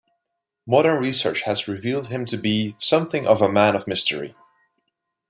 Modern research has revealed him to be something of a man of mystery.